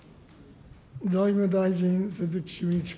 財務大臣、鈴木俊一君。